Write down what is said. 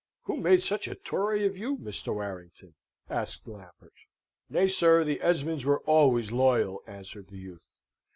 "Who made such a Tory of you, Mr. Warrington?" asked Lambert. "Nay, sir, the Esmonds were always loyal!" answered the youth.